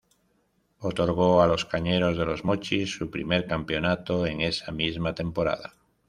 Otorgó a los Cañeros de Los Mochis su primer campeonato en esa misma temporada.